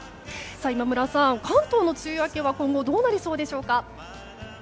今村さん、関東の梅雨明けは今後どうなりそうでしょうか。